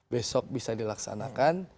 besok bisa dilaksanakan